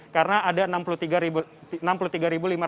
karena ada tiga tiga platform yang sudah terjual habis